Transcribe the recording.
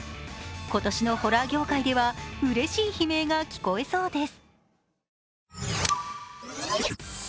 今年のホラー業界ではうれしい悲鳴が聞こえそうです。